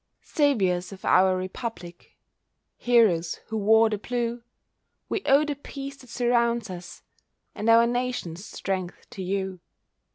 Saviours of our Republic, Heroes who wore the blue, We owe the peace that surrounds us— And our Nation's strength to you.